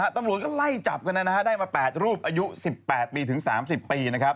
ตำรวจก็ไล่จับกันได้มา๘รูปอายุ๑๘ปีถึง๓๐ปี